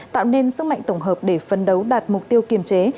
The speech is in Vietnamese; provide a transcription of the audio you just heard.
tạo nên sức mạnh tổng hợp để phân đấu đạt mục tiêu kiềm chế